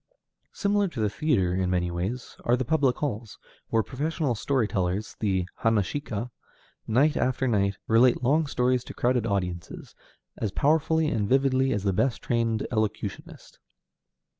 Similar to the theatre in many ways are the public halls, where professional story tellers, the hanashika, night after night, relate long stories to crowded audiences, as powerfully and vividly as the best trained elocutionist.